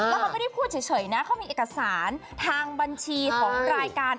แล้วเขาไม่ได้พูดเฉยนะเขามีเอกสารทางบัญชีของรายการ